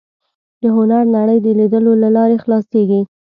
د هنر نړۍ د لیدلو له لارې خلاصېږي